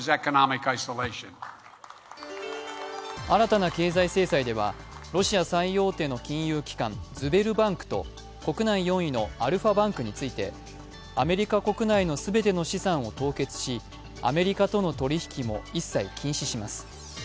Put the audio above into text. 新たな経済制裁ではロシア最大手の金融機関ズベルバンクと国内４位のアルファバンクについてアメリカ国内の全ての資産を凍結し、アメリカとの取り引きも一切禁止します。